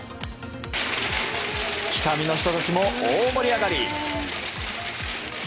北見の人たちも大盛り上がり。